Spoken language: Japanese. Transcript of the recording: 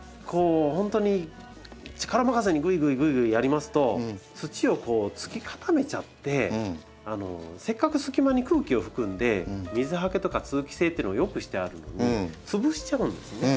本当に力任せにぐいぐいぐいぐいやりますと土をつき固めちゃってせっかく隙間に空気を含んで水はけとか通気性っていうのを良くしてあるのに潰しちゃうんですよね。